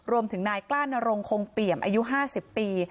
รวมถึงนายกล้านรงคงเปียมอายุ๕๐ปี